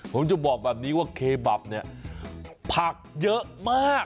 ผมจะบอกแบบนี้ว่าเคบับเนี่ยผักเยอะมาก